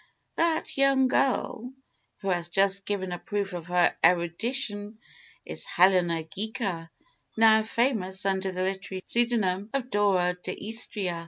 "That young girl, who has just given a proof of her erudition is Helena Ghika, now famous under the literary pseudonym of Dora d'Istria.